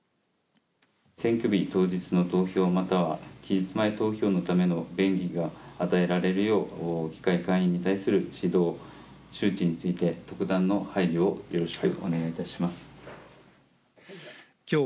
選挙日当日の投票または期日前投票のための便宜が与えられるよう貴会会員に対する指導周知について普段の配慮をお願いします。